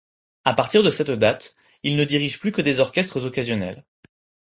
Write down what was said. À partir de cette date, il ne dirige plus que des orchestres occasionnels.